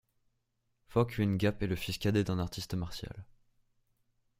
Fok Yuen Gap est le fils cadet d'un artiste martial.